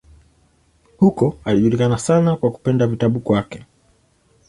Huko alijulikana sana kwa kupenda vitabu kwake.